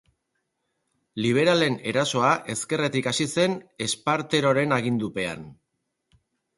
Liberalen erasoa ezkerretik hasi zen Esparteroren agindupean.